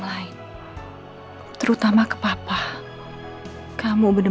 aduh dia macam orang kampung